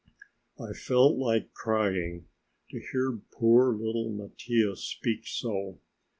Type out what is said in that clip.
I felt like crying, to hear poor little Mattia speak so.